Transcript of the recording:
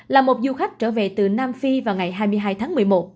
là một du khách trở về từ nam phi vào ngày hai mươi hai tháng một mươi một